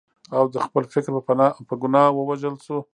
او د خپل فکر په ګناه ووژل شو.